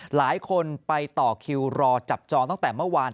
หลายคนไปต่อคิวรอจับจองตั้งแต่เมื่อวาน